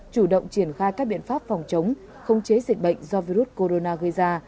chủ động triển khai các biện pháp phòng chống khống chế dịch bệnh do virus corona gây ra